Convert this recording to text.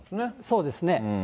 そうですね。